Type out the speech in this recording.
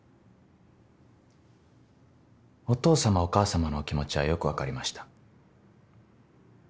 お父様お母様のお気持ちはよく分かりました。